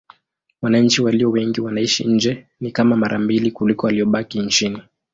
Wananchi walio wengi wanaishi nje: ni kama mara mbili kuliko waliobaki nchini.